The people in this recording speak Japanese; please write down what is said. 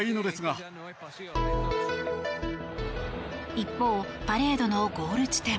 一方、パレードのゴール地点